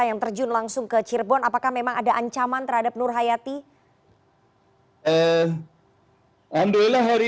yang terjun langsung ke cirebon apakah memang ada ancaman terhadap nurhayati eh andoila hari